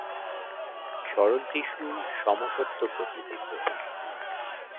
সরল টিস্যু সমসত্ত্ব প্রকৃতির হয়ে থাকে।